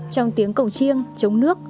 trong tiếng cổng chiêng chống nước